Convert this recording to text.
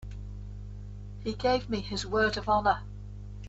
He gave me his word of honor.